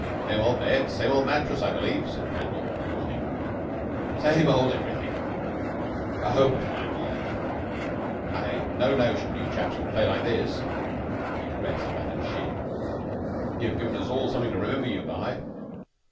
"Same old bed same old mattress, I believe," said Crandall, yawning. "Same old everything. Oh, but I'm lame! I'd no notion you chaps could play like this." He caressed a battered shin. "You've given us all something to remember you by."